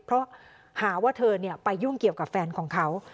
เพราะหาว่าเธอไปยุ่งเกี่ยวกับแฟนของเขา